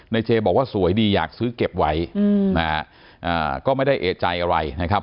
เจบอกว่าสวยดีอยากซื้อเก็บไว้ก็ไม่ได้เอกใจอะไรนะครับ